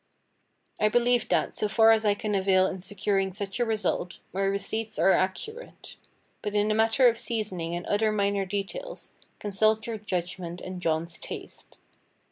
I believe that, so far as care can avail in securing such a result, my receipts are accurate. But in the matter of seasoning and other minor details, consult your judgment and John's taste.